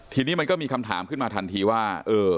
ทีนี้มันก็มีคำถามขึ้นมาทันทีว่า